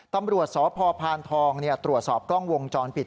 ตำรวจสพพานทองตรวจสอบกล้องวงจรปิด